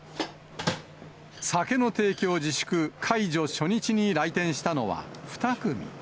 酒の提供自粛解除初日に来店したのは、２組。